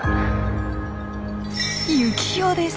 ユキヒョウです！